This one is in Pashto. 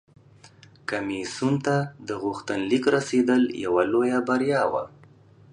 کمیسیون ته د غوښتنلیک رسیدل یوه لویه بریا وه